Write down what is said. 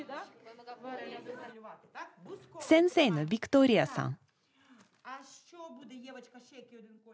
先生のヴィクトリアさん。